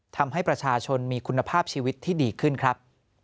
ทำให้ประชาชนมีคุณภาพชีวิตที่ดีขึ้นครับ